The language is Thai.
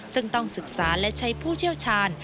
ซึ่งต้องศึกษาและใช้ผู้เชี่ยวชาญ